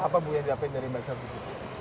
apa yang ibu dapat dari baca buku